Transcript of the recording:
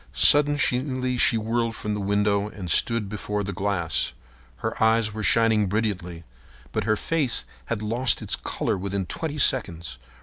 Suddenly she whirled from the window and stood before the glass. Her eyes were shining brilliantly, but her face had lost its color within twenty seconds.